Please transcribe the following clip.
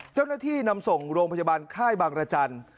เจ้าหน้าที่นำส่งโรงพยาบาลค่ายบางรจันทร์